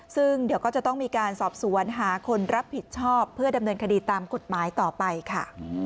ซึ่งเดี๋ยวก็จะต้องมีการสอบสวนหาคนรับผิดชอบเพื่อดำเนินคดีตามกฎหมายต่อไปค่ะ